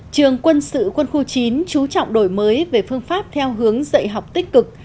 trường quân sự quân khu chín chú trọng đổi mới về phương pháp theo hướng dạy học tích cực